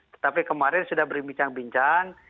tetapi kemarin sudah berbincang bincang